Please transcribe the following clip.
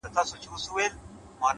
اوس لا د گرانښت څو ټكي پاته دي.!